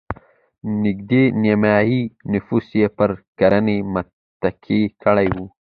نږدې نیمايي نفوس یې پر کرنې متکي کړی و.